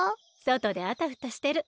そとであたふたしてる。